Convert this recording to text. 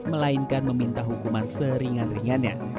melainkan meminta hukuman seringan ringannya